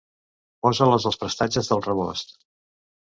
Posa-les als prestatges del rebost.